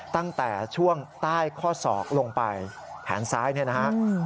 ตั้งแต่ช่วงใต้ข้อศอกลงไปแขนซ้ายเนี่ยนะฮะ